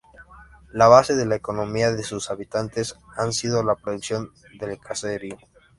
La base de la economía de sus habitantes ha sido la producción del caserío.